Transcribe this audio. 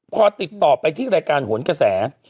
พอติดต่อไปที่รายการโหนกระแส